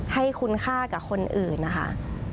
ให้คุณค่ากับคนอื่นนะคะ